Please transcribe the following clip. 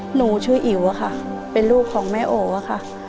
หนูชื่ออิ๋วอะค่ะเป็นลูกของแม่โออะค่ะ